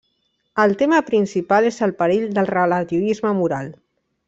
El tema principal és el perill del relativisme moral.